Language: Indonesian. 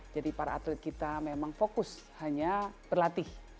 jadi para atlet kita memang fokus hanya berlatih